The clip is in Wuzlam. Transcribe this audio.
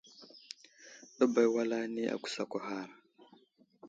Ɗəbay wal ane agusakw ghar.